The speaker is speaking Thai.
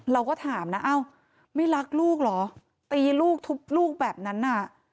เราก็ถามนะเอ้าไม่รักลูกเหรอตีลูกทุบลูกแบบนั้นน่ะ